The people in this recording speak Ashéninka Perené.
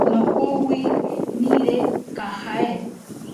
Nokowi nire kajae.